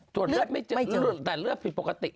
เลือดไม่เจอแต่เลือดผิดปกติ